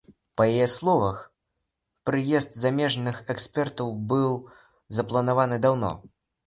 Па яе словах, прыезд замежных экспертаў быў запланаваны даўно.